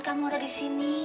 kamu ada disini